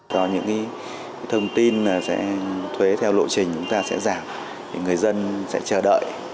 do những thông tin thuế theo lộ trình chúng ta sẽ giảm người dân sẽ chờ đợi